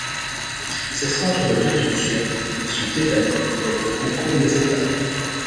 Ces centres de rétention sont établis avec le concours des États.